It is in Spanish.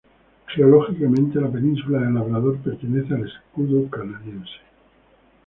Geológicamente, la península del Labrador pertenece al Escudo Canadiense.